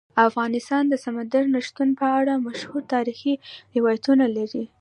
افغانستان د سمندر نه شتون په اړه مشهور تاریخی روایتونه لري.